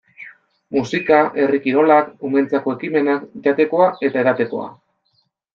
Musika, herri kirolak, umeentzako ekimenak, jatekoa eta edatekoa...